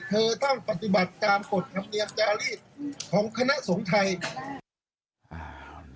เธอต้องปฏิบัติตามกฎธรรมเนียมจารีสของคณะสงฆ์ไทย